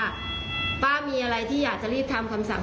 คุณผู้ชมค่ะแล้วเดี๋ยวมาเล่ารายละเอียดเพิ่มเติมให้ฟังค่ะ